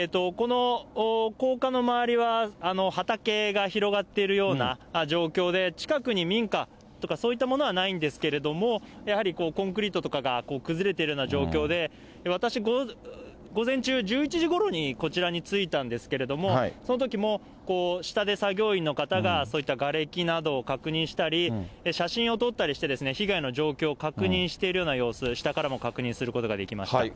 この高架の周りは、畑が広がっているような状況で、近くに民家とかそういったものはないんですけれども、やはりコンクリートとかが崩れているような状況で、私、午前中１１時ごろにこちらに着いたんですけれども、そのときも下で作業員の方がそういったがれきなどを確認したり、写真を撮ったりして、被害の状況を確認しているような様子、下からも確認することができました。